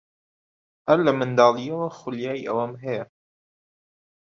هەر لە منداڵییەوە خولیای ئەوەم هەیە.